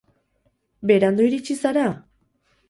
Berandu iritsi zara?